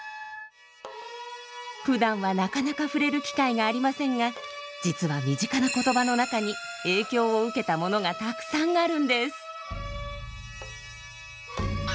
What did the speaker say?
ふだんはなかなか触れる機会がありませんが実は身近な言葉の中に影響を受けたものがたくさんあるんです。